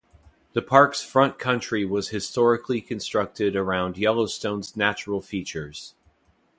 The park’s front country was historically constructed around Yellowstone’s natural features.